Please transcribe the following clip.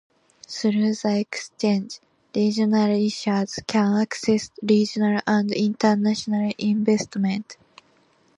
Through the exchange, regional issuers can access regional and international investment.